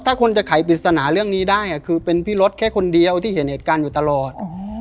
ถ้าคนจะไขปริศนาเรื่องนี้ได้คือเป็นพี่รถแค่คนเดียวที่เห็นเหตุการณ์อยู่ตลอด